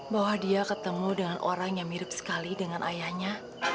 bahwa dia ketemu dengan orang yang mirip sekali dengan ayahnya